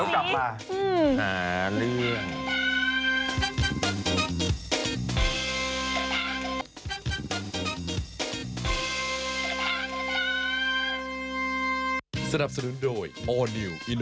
เดี๋ยวกลับมา